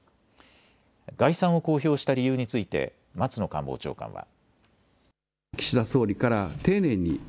概算を公表した理由について松野官房長官は。